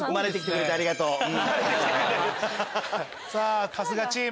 さぁ春日チーム。